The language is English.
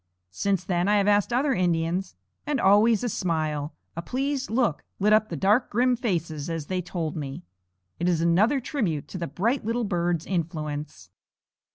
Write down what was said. Since then I have asked other Indians, and always a smile, a pleased look lit up the dark grim faces as they told me. It is another tribute to the bright little bird's influence.